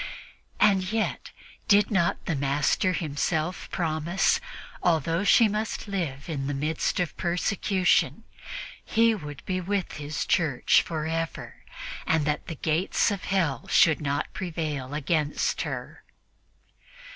And yet, did not the Master Himself promise that, although she must live in the midst of persecution, He would be with His Church forever and that the gates of Hell should not prevail against her?"